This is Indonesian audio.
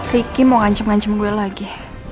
ricky mau ngancam ngancam gue lagi